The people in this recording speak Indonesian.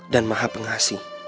dan maha pengasih